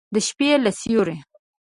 د شپې له سیورو